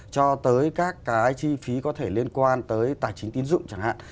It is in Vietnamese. cho tới các cái chi phí có thể liên quan tới tài chính tín dụng chẳng hạn